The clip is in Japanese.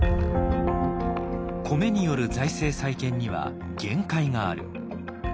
米による財政再建には限界がある。